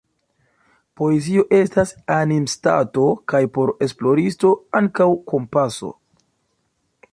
Poezio estas animstato – kaj, por esploristo, ankaŭ kompaso.